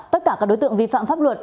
tất cả các đối tượng vi phạm pháp luật